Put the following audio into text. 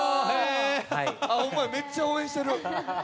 ホンマや、めっちゃ応援してる！